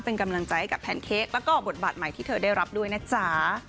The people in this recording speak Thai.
เป็นกำลังใจให้กับแพนเค้กแล้วก็บทบาทใหม่ที่เธอได้รับด้วยนะจ๊ะ